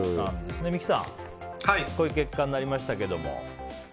三木さん、こういう結果になりましたけども。